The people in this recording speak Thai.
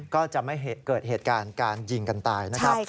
ก็จะไม่กฏเขตเหตุการณ์การจิมกันตาย